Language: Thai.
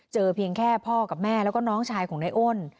เพียงแค่พ่อกับแม่แล้วก็น้องชายของนายอ้น